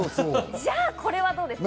じゃあこちらはどうですか？